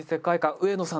上野さん